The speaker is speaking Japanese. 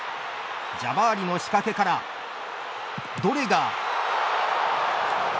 ジャバーリの仕掛けからドレガー。